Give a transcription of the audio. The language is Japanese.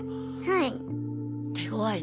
はい。